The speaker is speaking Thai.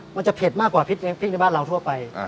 มันจะเผ็ดมากกว่าพริกในบ้านเราทั่วไป